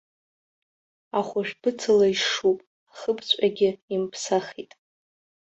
Ахәажә быцала ишшуп, ахыбҵәҟьагьы имԥсахит.